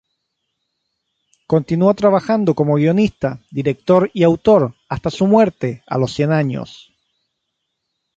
Continuó trabajando como guionista, director y autor hasta su muerte a los cien años.